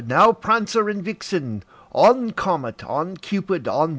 now, Prancer and Vixen! On! Comet, on! Cupid, on!